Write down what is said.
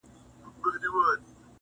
ور سره سم ستا غمونه نا بللي مېلمانه سي,